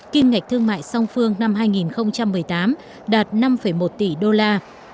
kim ngạch thương mại song phương năm hai nghìn một mươi tám đạt năm một tỷ đô la